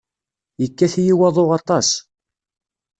Yekkat-iyi waḍu aṭas.